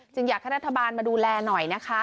อยากให้รัฐบาลมาดูแลหน่อยนะคะ